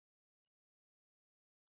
هغې وویل، مور کېدو وروسته صبر زده شوی.